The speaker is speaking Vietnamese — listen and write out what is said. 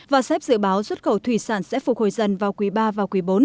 và xếp dự báo xuất khẩu thủy sản sẽ phục hồi dần vào quý ba và quý bốn